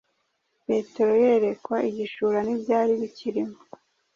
Petero yerekwa igishura n’ibyari bikirimo,